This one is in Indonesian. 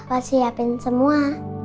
pas siapin semua